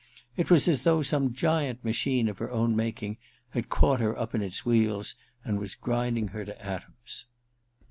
It was as though some giant machine of her own making had caught her up in its wheels and was grinding her to atoms.